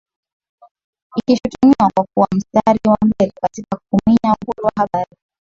ikishutumiwa kwa kuwa msitari wa mbele katika kuminya uhuru wa Habari